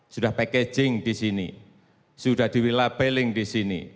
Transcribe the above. sudah packaging disini sudah dilabeling disini